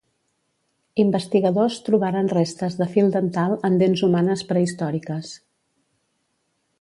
Investigadors trobaren restes de fil dental en dents humanes prehistòriques.